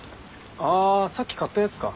あさっき買ったやつか。